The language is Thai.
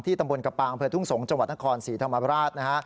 ที่ตำบลกระป๋างเพื่อทุ่งสงค์จังหวัดนคร๔ธรรมดาบราช